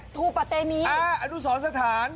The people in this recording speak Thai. ทูปะเตมีอนุสรสถาน